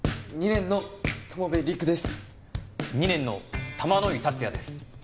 ２年の玉乃井竜也です。